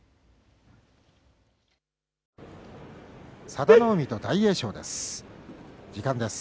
佐田の海と大栄翔です。